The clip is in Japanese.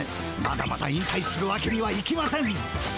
まだまだ引たいするわけにはいきません。